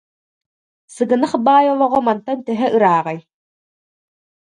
Сыгынах баай олоҕо мантан төһө ырааҕый